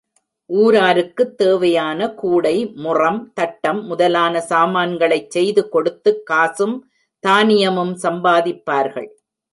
ஊராருக்குத் தேவையான கூடை, முறம், தட்டம் முதலான சாமான்களைச் செய்து கொடுத்துக் காசும் தானியமும் சம்பாதிப்பார்கள்.